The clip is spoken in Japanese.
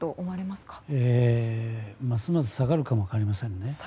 ますます下がるかも分かりませんね。